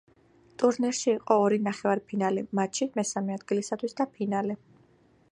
ტურნირში იყო ორი ნახევარფინალი, მატჩი მესამე ადგილისათვის და ფინალი.